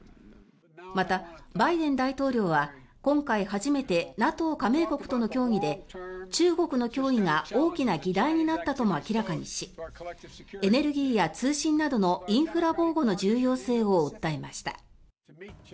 また、バイデン大統領は今回初めてＮＡＴＯ加盟国との協議で中国の脅威が大きな議題になったとも明らかにしエネルギーや通信などのインフラ防護の重要性を訴えました。